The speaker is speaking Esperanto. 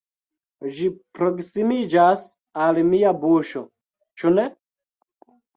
Ĝi proksimiĝas al mia buŝo, ĉu ne?